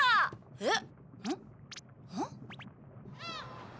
えっ？